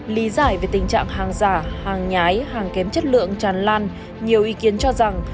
lý giải về tình trạng hàng giả hàng nhái hàng kém chất lượng tràn lan nhiều ý kiến cho rằng